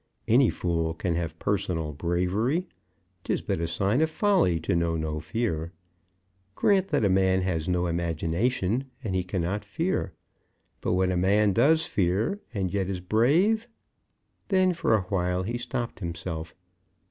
Any fool can have personal bravery; 'tis but a sign of folly to know no fear. Grant that a man has no imagination, and he cannot fear; but when a man does fear, and yet is brave " Then for awhile he stopped himself.